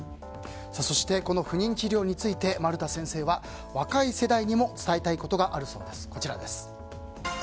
そしてこの不妊治療について丸田先生は若い世代にも伝えたいことがあるそうです。